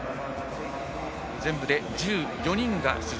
全部で１４人が出場。